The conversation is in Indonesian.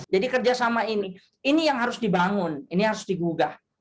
jadi kerjasama ini ini yang harus dibangun ini yang harus digugah